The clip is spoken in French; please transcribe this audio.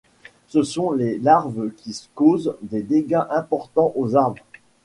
Ce sont les larves qui causent des dégâts importants aux arbres.